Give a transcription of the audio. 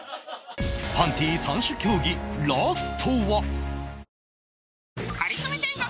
パンティ３種競技ラストは